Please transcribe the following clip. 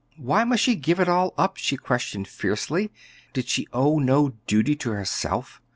Why must she give it all up? she questioned fiercely; did she owe no duty to herself?